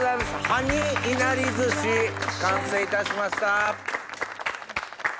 ハニーいなり寿司完成いたしました。